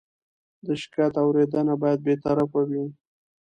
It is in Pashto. د شکایت اورېدنه باید بېطرفه وي.